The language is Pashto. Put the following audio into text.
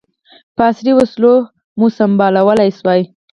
په عصري وسلو مو سمبالولای سوای.